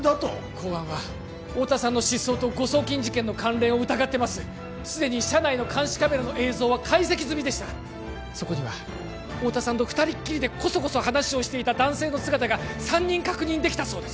公安は太田さんの失踪と誤送金事件の関連を疑ってます既に社内の監視カメラの映像は解析済みでしたそこには太田さんと二人っきりでこそこそ話をしていた男性の姿が３人確認できたそうです